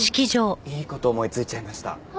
いい事思いついちゃいました。